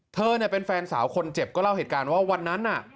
เธอเนี่ยเป็นแฟนสาวคนเจ็บก็เล่าเหตุการณ์ว่าวันนั้นน่ะ